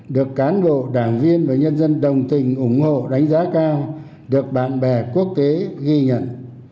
được cán bộ đảng viên và nhân dân đồng tình ủng hộ đánh giá cao được bạn bè quốc tế ghi nhận